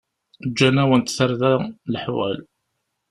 Ǧǧan-awent-d tarda leḥwal.